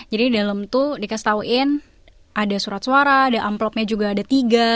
jadi di dalam itu dikasih tauin ada surat suara ada amplopnya juga ada tiga